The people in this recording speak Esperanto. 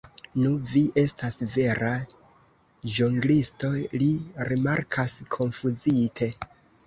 Nu, vi estas vera ĵonglisto, li rimarkas konfuzite.